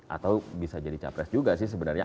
atau bisa jadi capres juga sih sebenarnya